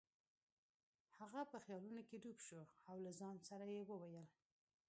هغه په خیالونو کې ډوب شو او له ځان سره یې وویل.